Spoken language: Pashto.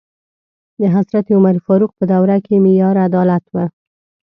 د حضرت عمر فاروق په دوره کې معیار عدالت و.